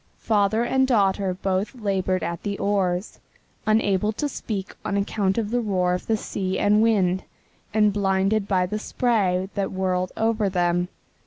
Father and daughter both labored at the oars, unable to speak on account of the roar of the sea and wind, and blinded by the spray that whirled over them.